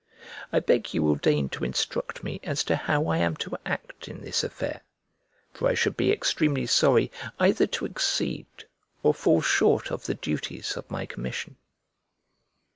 I beg you will deign to instruct me as to how I am to act in this affair, for I should be extremely sorry either to exceed or fall short of the duties of my commission.